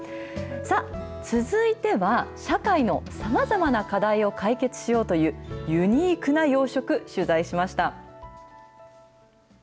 続いては、社会のさまざまな課題を解決しようという、ユニークな養殖、取材しました。